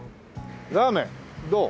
ラーメンどう？